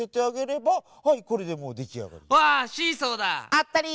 あったり！